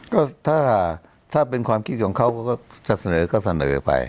ก็ถ้าเป็นความคิดของเขาก็จะเสนอก็เสนอไป